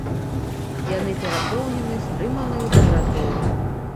Яны перапоўнены стрыманаю дабратою.